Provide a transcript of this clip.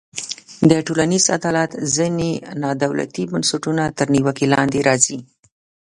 د ټولنیز عدالت ځینې نا دولتي بنسټونه تر نیوکو لاندې راځي.